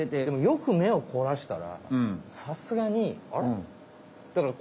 でもよく目をこらしたらさすがにあれ？